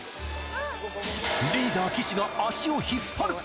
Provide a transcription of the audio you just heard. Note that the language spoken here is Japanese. リーダー、岸が足を引っ張る。